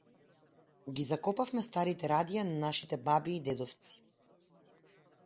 Ги закопавме старите радија на нашите баби и дедовци.